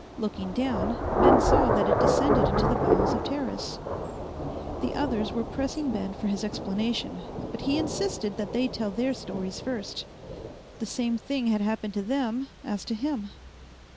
Looking down, Ben saw that it descended into the bowels of Teris. The others were pressing Ben for his explanation but he insisted that they tell their stories first. The same thing had happened to them as to him.